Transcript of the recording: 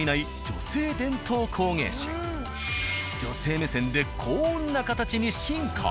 女性目線でこんな形に進化。